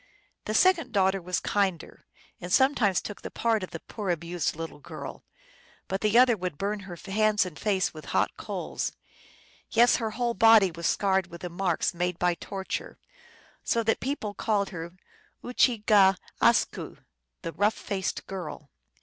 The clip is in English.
The second daughter was kinder, and sometimes took the part of the poor abused little girl, but the other would burn her hands and face with hot coals ; yes, her whole body was scarred with the marks made by torture, so that people called her Oochige askw (the rough faced girl).